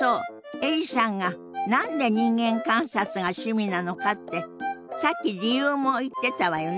エリさんが何で人間観察が趣味なのかってさっき理由も言ってたわよね。